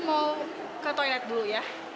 mau ke toilet dulu ya